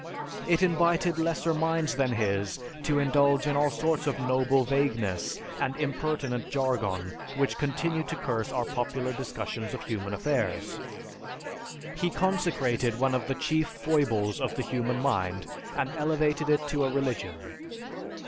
It invited lesser minds than his to indulge in all sorts of noble vagueness and impertinent jargon which continue to curse our popular discussions of human affairs. He consecrated one of the chief foibles of the human mind, and elevated it to a religion."